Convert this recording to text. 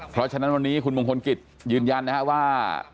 เพราะฉะนั้นวันนี้คุณมงคลกิจยืนยันนะครับว่า